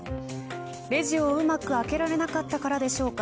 レジをうまく開けられなかったからでしょうか。